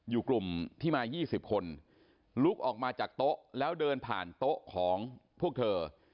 อยู่กลุ่มที่มา๒๐คนลุกออกมาจากโต๊ะแล้วเดินผ่านโต๊ะของพวกเธอ